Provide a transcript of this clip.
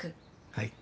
はい。